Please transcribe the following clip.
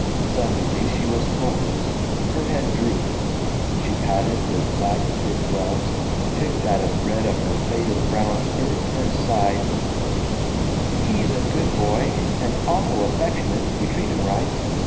Suddenly she was hopeless. Her head drooped. She patted her black kid gloves, picked at a thread of her faded brown skirt, and sighed, "He's a good boy, and awful affectionate if you treat him right.